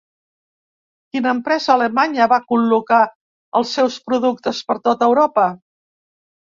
Quina empresa alemanya va col·locar els seus productes per tota Europa?